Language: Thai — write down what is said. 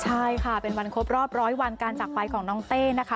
ใช่ค่ะเป็นวันครบรอบร้อยวันการจักรไปของน้องเต้นะคะ